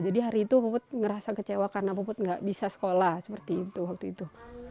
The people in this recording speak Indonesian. jadi hari itu puput ngerasa kecewa karena puput nggak bisa sekolah seperti itu